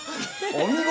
お見事。